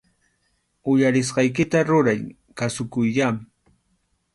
Uyarisqaykita ruray, kasukuyyá